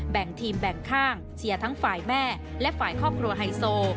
แบ่งทีมแบ่งข้างเชียร์ทั้งฝ่ายแม่และฝ่ายครอบครัวไฮโซ